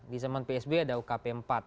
di zaman psb ada ukp empat